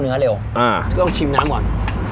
เนื้อเร็วอ่าก็ต้องชิมน้ำก่อน